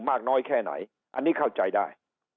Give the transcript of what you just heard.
มากน้อยแค่ไหนอันนี้เข้าใจได้